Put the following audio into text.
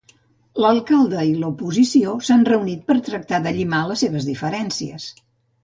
L'alcalde i l'oposició s'han reunit per tractar de llimar les seves diferències.